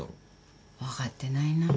分かってないな。